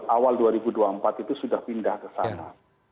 awal dua ribu dua puluh empat itu sudah pindah ke sana